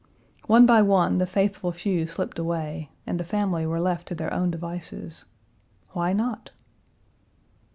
One by one the faithful few slipped away and the family were left to their own devices. Why not?